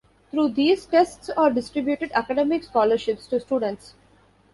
Through these tests are distributed academic scholarships to students.